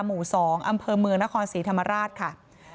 หมู่๒อำเภอเมืองนครศรีธรรมราชค่ะ